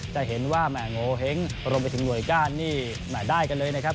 จะเห็นว่าแหม่โงเห้งรวมไปถึงหน่วยก้านนี่ได้กันเลยนะครับ